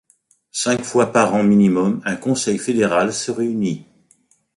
Cinq fois par an minimum un conseil fédéral se réunit.